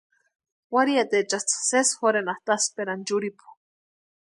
Warhitiechasï sési jorhenati asïperani churhipu.